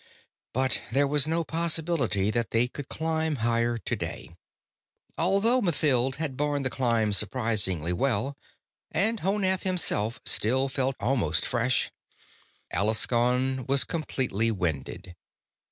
But there was no possibility that they could climb higher today. Although Mathild had born the climb surprisingly well, and Honath himself still felt almost fresh, Alaskon was completely winded.